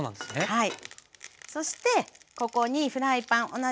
はい。